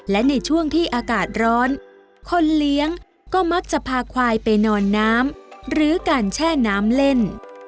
และในช่วงที่อากาศร้อนคนเลี้ยงก็มักจะพาควายไปนอนน้ำหรือการแช่น้ำเล่น